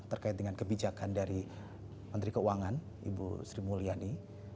terkait dengan kebijakan dari menteri keuangan ibu sri mulyani